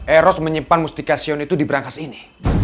eros menyimpan mustika sion itu di berangkas ini